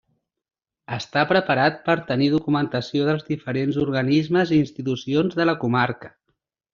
Està preparat per tenir documentació dels diferents organismes i institucions de la comarca.